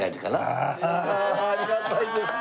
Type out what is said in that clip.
ああありがたいですね。